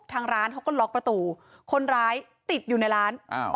ทางร้านเขาก็ล็อกประตูคนร้ายติดอยู่ในร้านอ้าว